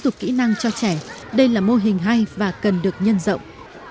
đây là một kỹ năng cho trẻ đây là mô hình hay và cần được nhân rộng